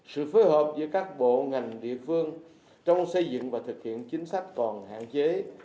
sự phối hợp giữa các bộ ngành địa phương trong xây dựng và thực hiện chính sách còn hạn chế